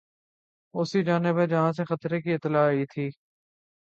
اسی جانب ہیں جہاں سے خطرے کی اطلاع آئی تھی